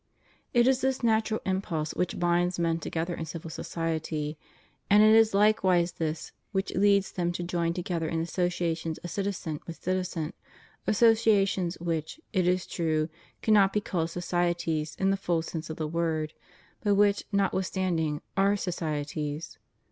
^ It is this natural impulse which binds men together in civil society; and it is likewise this which leads them to join together in associations of citizen with citizen; as sociations which, it is true, cannot be called societies in the full sense of the word, but which, notwithstanding, are societies.